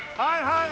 はい。